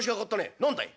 何だい？」。